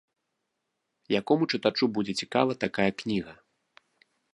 Якому чытачу будзе цікавая такая кніга?